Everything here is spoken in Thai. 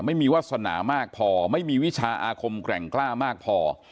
วาสนามากพอไม่มีวิชาอาคมแกร่งกล้ามากพอ